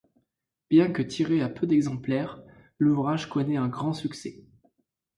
Bien que tiré à peu d'exemplaires, l'ouvrage connaît un grand succès.